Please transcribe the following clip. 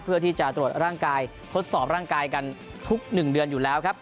เพื่อที่จะตรวจร่างกายทดสอบร่างกายกันทุก๑เดือนอยู่แล้วครับ